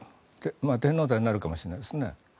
天王山になるかもしれないですね。